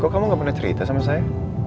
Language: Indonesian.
kok kamu nggak pernah cerita sama saya